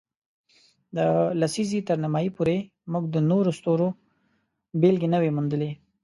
د لسیزې تر نیمایي پورې، موږ د نورو ستورو بېلګې نه وې موندلې.